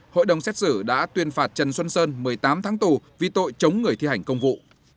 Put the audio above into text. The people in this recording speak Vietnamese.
hội đồng xét xử đã tuyên phạt trần xuân sơn một mươi tám tháng tù vì tội chống người thi hành công vụ